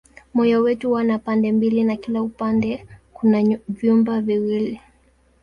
Moyo wetu huwa na pande mbili na kila upande kuna vyumba viwili.